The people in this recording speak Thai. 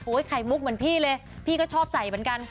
ไข่มุกเหมือนพี่เลยพี่ก็ชอบใส่เหมือนกัน